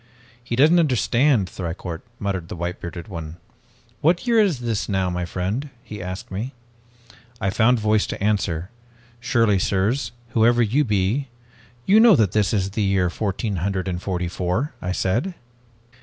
"'He doesn't understand, Thicourt,' muttered the white bearded one. 'What year is this now, my friend?' he asked me. "I found voice to answer. 'Surely, sirs, whoever you be, you know that this is the year fourteen hundred and forty four,' I said.